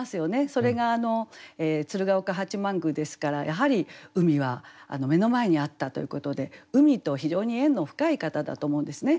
それが鶴岡八幡宮ですからやはり海は目の前にあったということで海と非常に縁の深い方だと思うんですね。